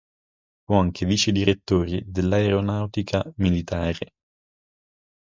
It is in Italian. Fu anche vicedirettore dell'Aeronautica militare.